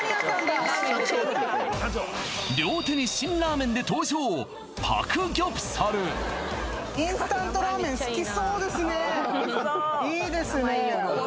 両手に辛ラーメンで登場いいですね